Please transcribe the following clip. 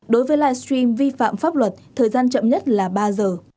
đối với livestream vi phạm pháp luật thời gian chậm nhất là ba giờ